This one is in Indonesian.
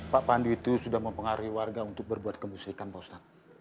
pak pandu itu sudah mempengaruhi warga untuk berbuat kemusikan pak ustadz